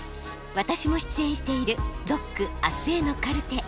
私も出演している「ＤＯＣあすへのカルテ」。